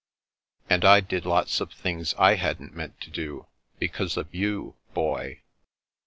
" And I did lots of things I hadn't meant to do— because of you, Boy."